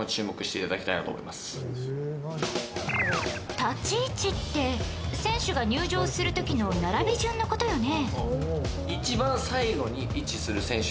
立ち位置って選手が入場する時の並び順のことよね。